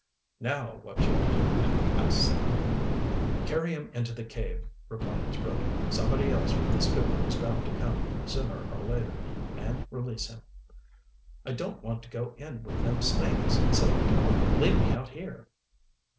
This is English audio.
"Now what shall we do with him?" asked Sam. "Carry him into the cave," replied his brother. "Somebody else from the schooner is bound to come, sooner or later, and release him." "I don't want to go in with them snakes," said the tar. "Leave me out here."